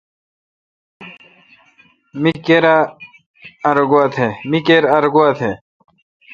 می کیر ار گوا تھ۔